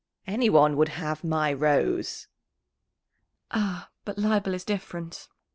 "Anyone would have my Rose." "Ah, but Leibel is different.